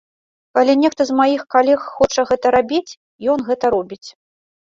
Калі нехта з маіх калег хоча гэта рабіць, ён гэта робіць.